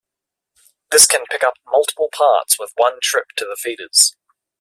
This can pick up multiple parts with one trip to the feeders.